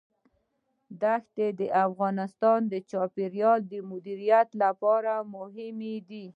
دښتې د افغانستان د چاپیریال د مدیریت لپاره مهم دي.